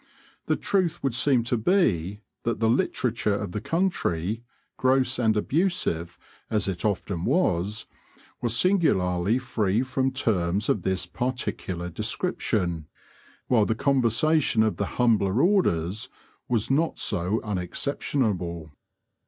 The truth would seem to be that the literature of the country, gross and abusive as it often was, was singularly free from terms of this particular description, while the conversation of the humbler orders was not so unexceptionable.